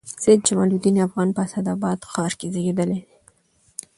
سید جمال الدین افغان په اسعداباد ښار کښي زېږېدلي دئ.